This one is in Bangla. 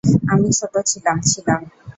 আমি ছোট ছিলাম, ছিলাম।